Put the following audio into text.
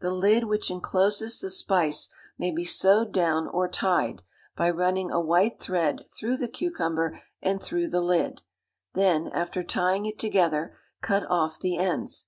The lid which encloses the spice may be sewed down or tied, by running a white thread through the cucumber and through the lid, then, after tying it together, cut off the ends.